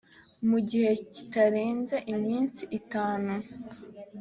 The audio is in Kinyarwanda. mu gihe kitarenze iminsi itanu